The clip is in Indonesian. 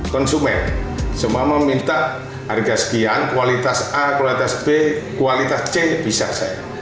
konsumen semua meminta harga sekian kualitas a kualitas b kualitas c bisa saya